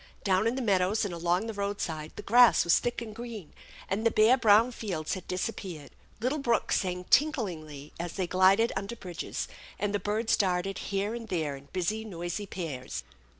Down in the meadows and along the roadside the grass was thick and green, and the bare brown fields had disappeared. Little brooks sang tinklingly as they glided under bridges, and the birds darted here and there in busy, noisy pairs.